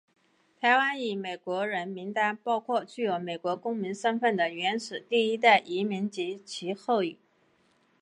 台湾裔美国人名单包括具有美国公民身份的原始第一代移民及其后裔。